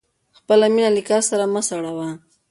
خپله مینه له کار سره مه سړوه.